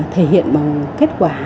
thể hiện bằng kết quả